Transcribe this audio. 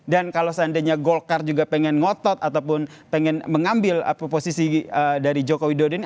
dan kalau seandainya golkar juga pengen ngotot ataupun pengen mengambil posisi dari jokowi daudini